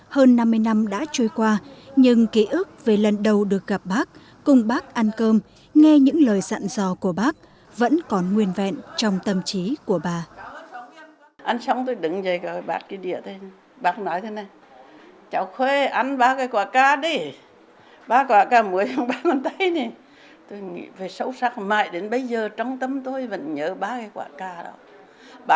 hơn năm mươi năm đã trôi qua nhưng ký ức về lần đầu được gặp bác cùng bác ăn cơm nghe những lời dặn dò của bác vẫn còn nguyên vẹn trong tâm trí của bà